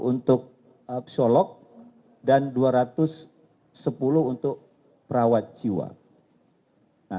untuk psikolog dan dua ratus sepuluh untuk perawat jiwa